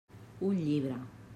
Un llibre.